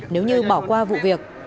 nếu như bỏ qua vụ việc